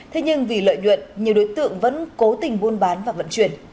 thế nhưng vì lợi nhuận nhiều đối tượng vẫn cố tình buôn bán và vận chuyển